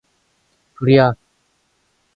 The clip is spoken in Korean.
불이야!